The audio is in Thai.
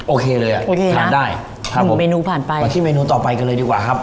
โอเคเลยอ่ะโอเคทานได้ครับหมูเมนูผ่านไปมาที่เมนูต่อไปกันเลยดีกว่าครับ